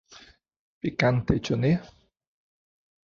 Pikante, ĉu ne?